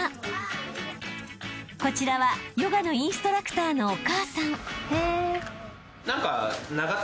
［こちらはヨガのインストラクターのお母さん］